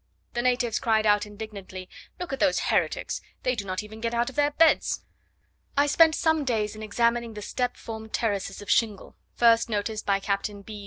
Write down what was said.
The natives cried out indignantly, "Look at those heretics, they do not even get out of their beds!" I spent some days in examining the step formed terraces of shingle, first noticed by Captain B.